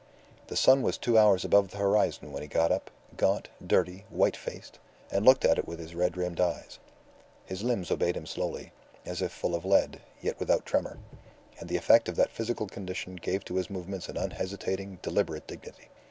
The sun was two hours above the horizon when he got up, gaunt, dirty, white faced, and looked at it with his red rimmed eyes. His limbs obeyed him slowly, as if full of lead, yet without tremor; and the effect of that physical condition gave to his movements an unhesitating, deliberate dignity.